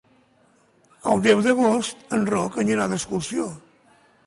El deu d'agost en Roc anirà d'excursió.